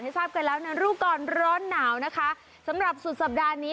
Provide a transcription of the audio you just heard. ทราบกันแล้วในรู้ก่อนร้อนหนาวนะคะสำหรับสุดสัปดาห์นี้